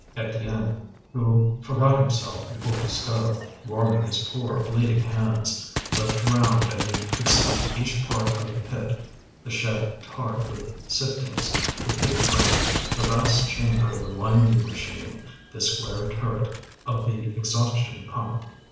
Étienne, who forgot himself before the stove, warming his poor bleeding hands, looked round and could see each part of the pit: the shed tarred with siftings, the pit frame, the vast chamber of the winding machine, the square turret of the exhaustion pump.